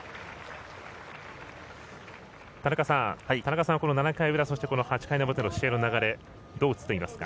田中さん、この７回の裏そして８回の表の試合の流れどう映っていますか。